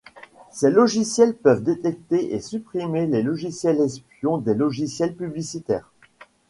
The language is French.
Ces logiciels peuvent détecter et supprimer les logiciels espions des logiciels publicitaires.